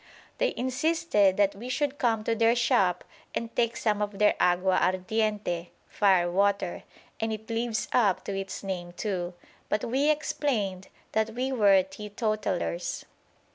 They insisted that we should come to their shop and take some of their "agua ardiente" (fire water: and it lives up to its name too); but we explained that we were teetotalers.